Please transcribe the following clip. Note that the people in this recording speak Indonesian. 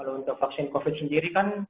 kalau untuk vaksin covid sembilan belas sendiri kan